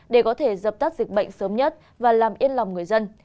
để có thể dập tắt dịch bệnh sớm nhất và làm yên lòng người dân